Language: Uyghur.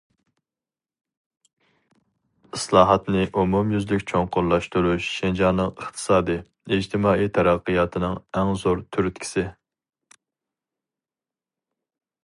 ئىسلاھاتنى ئومۇميۈزلۈك چوڭقۇرلاشتۇرۇش شىنجاڭنىڭ ئىقتىسادىي، ئىجتىمائىي تەرەققىياتىنىڭ ئەڭ زور تۈرتكىسى.